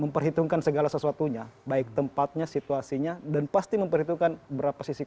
memperhitungkan segala sesuatunya baik tempatnya situasinya dan pasti memperhitungkan berapa sisi